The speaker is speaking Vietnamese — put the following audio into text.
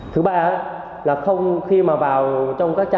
thứ ba là không cung cấp mật khẩu mã opt cho bất kỳ cá nhân tổ chức nào